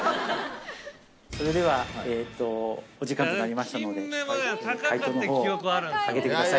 それではお時間となりましたので解答の方を上げてください。